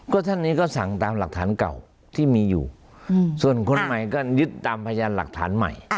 ก็ท่านนี้ก็สั่งตามหลักฐานเก่าที่มีอยู่ส่วนคนใหม่ก็ยึดตามพยานหลักฐานใหม่